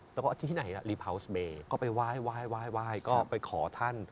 แล้วก็ที่ไหนล่ะรีพาวสเมย์ก็ไปไหว้ก็ไปขอท่าน